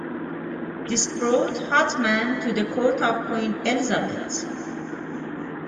This brought Hotman to the court of Queen Elizabeth.